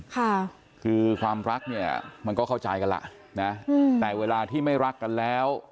ค่ะคือความรักเนี่ยมันก็เข้าใจกันล่ะนะอืมแต่เวลาที่ไม่รักกันแล้ว